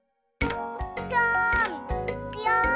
ぴょんぴょん。